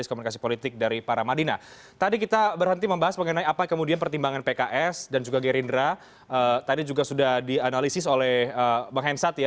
kami akan segera kembali ke satu lagi